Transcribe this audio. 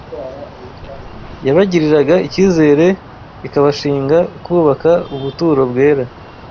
yabagiriraga icyizere ikabashinga kubaka ubuturo bwera